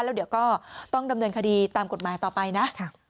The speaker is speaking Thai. แล้วเดี๋ยวก็ต้องดำเนินคดีตามกฎหมายต่อไปนะ